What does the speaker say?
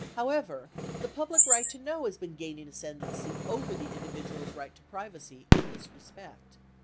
However, the public right to know has been gaining ascendancy over the individ ual's right to privacy in this respect.